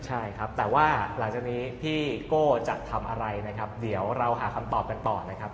ใช่ครับแต่ว่าหลังจากนี้พี่โก้จะทำอะไรนะครับเดี๋ยวเราหาคำตอบกันต่อนะครับ